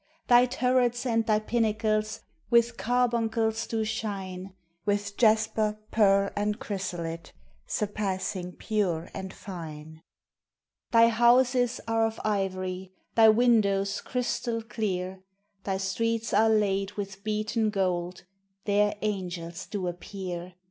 Thy turrets and thy pinnacles With carbuncles do shine With jasper, pearl, and chrysolite, Surpassing pure and fine. Thy houses are of ivory, Thy windows crystal clear, Thy streets are laid with beaten gold There angels do appear.